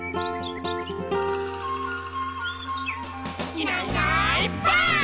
「いないいないばあっ！」